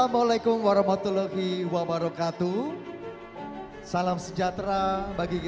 bapak profesor dr ing baharudin yusuf habibi